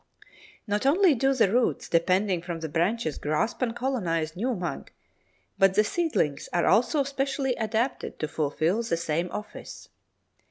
Not only do the roots depending from the branches grasp and colonize new mud, but the seedlings are also specially adapted to fulfil the same office.